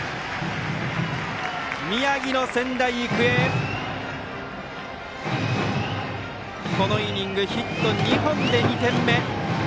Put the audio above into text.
宮城の仙台育英このイニングヒット２本で２点目。